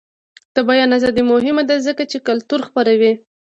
د بیان ازادي مهمه ده ځکه چې کلتور خپروي.